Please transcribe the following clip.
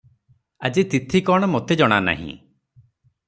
ଆଜି ତିଥି କଣ ମୋତେ ଜଣାନାହିଁ ।